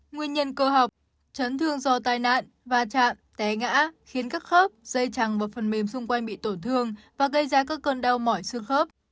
nguyên nhân cơ học chấn thương do tai nạn và chạm té ngã khiến các khớp dây chẳng một phần mềm xung quanh bị tổn thương và gây ra các cơn đau mỏi xương khớp